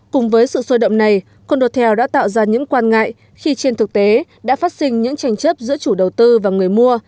cùng với sự sôi động này condotel đã tạo ra những quan ngại khi trên thực tế đã phát sinh những tranh chấp giữa chủ đầu tư và người mua